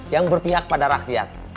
yang berpihak pada rakyat